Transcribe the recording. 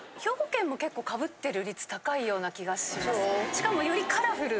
しかも。